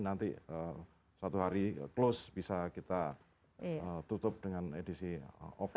nanti suatu hari close bisa kita tutup dengan edisi offline